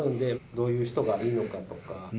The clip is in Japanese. どういう人がいいのかとか。